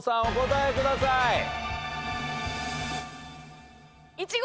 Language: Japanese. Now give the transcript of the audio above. お答えください。